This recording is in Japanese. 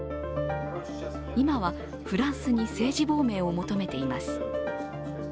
今は、フランスに政治亡命を求めています。